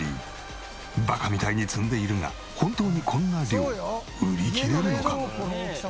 バカみたいに積んでいるが本当にこんな量売り切れるのか？